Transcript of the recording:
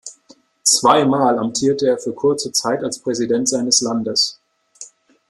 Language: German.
Zweimal amtierte er für kurze Zeit als Präsident seines Landes.